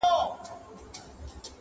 او پر ښار باندي نازل نوی آفت سو؛